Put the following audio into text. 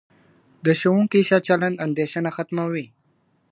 د ښوونکي ښه چلند اندیښنه ختموي.